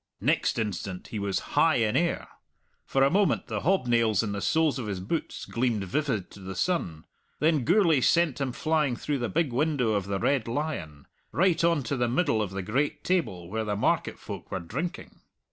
Next instant he was high in air; for a moment the hobnails in the soles of his boots gleamed vivid to the sun; then Gourlay sent him flying through the big window of the Red Lion, right on to the middle of the great table where the market folk were drinking.